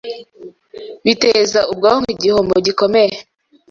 biteza ubwonko igihombo gikomeye